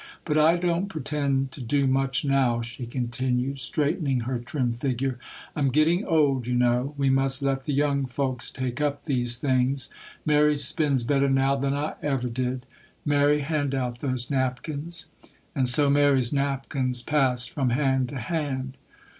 'But I don't pretend to do much now,' she continued, straightening her trim figure. 'I'm getting old, you know; we must let the young folks take up these things. Mary spins better now than I ever did; Mary, hand out those napkins.' And so Mary's napkins passed from hand to hand.